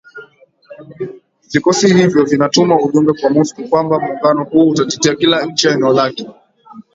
Vikosi hivyo vinatuma ujumbe kwa Moscow kwamba muungano huo utatetea kila nchi ya eneo lake